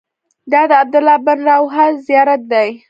دا د عبدالله بن رواحه زیارت دی.